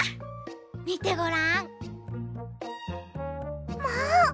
みてごらん。も！